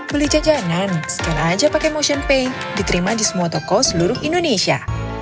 beli jajanan scan aja pakai motion pay diterima di semua toko seluruh indonesia